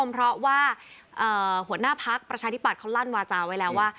เพราะว่าหัวหน้าพักประชาธิบัติเขาลั่นวาจาไว้แล้วว่า